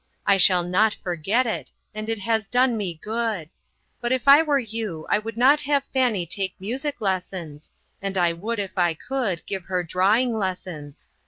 I shall not forget it, and it has done me good. But if I were you, I would not have Fanny take music lessons, and I would, if I could, give her drawing lessons.